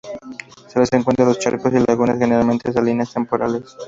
Se los encuentra en charcos y lagunas, generalmente salinas, temporales.